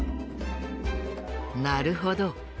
なるほど。